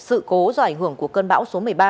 sự cố do ảnh hưởng của cơn bão số một mươi ba